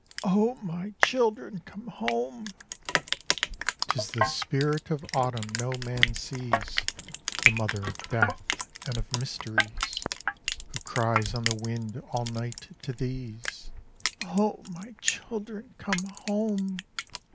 O my children, come home!" V 'Tis the Spirit of Autumn, no man sees, The mother of Death and of Mysteries, Who cries on the wind all night to these, "O my children, come home!"